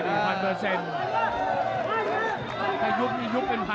ถ้ายุบยุบ๑๐๐๐เลยนะ